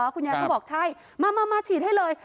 คุณยายก็บอกใช่มาฉีดให้เลย